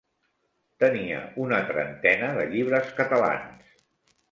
Tenia una trentena de llibres catalans.